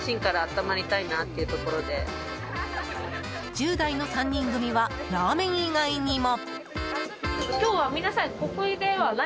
１０代の３人組はラーメン以外にも。